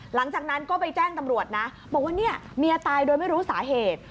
หลังจากนั้นก็ไปแจ้งตำรวจนะบอกว่าเนี่ยเมียตายโดยไม่รู้สาเหตุ